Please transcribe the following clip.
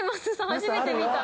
初めて見た。